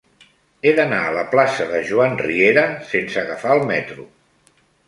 He d'anar a la plaça de Joan Riera sense agafar el metro.